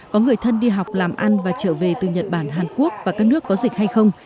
có người thân đi học làm ăn và trở về từ nhật bản hàn quốc và các nước có dịch hay không